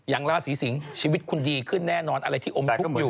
ราศีสิงศ์ชีวิตคุณดีขึ้นแน่นอนอะไรที่อมทุกข์อยู่